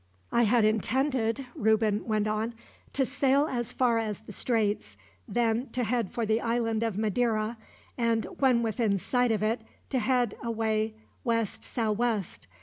"I had intended," Reuben went on, "to sail as far as the straits; then to head for the island of Madeira and, when within sight of it, to head away west sou' west.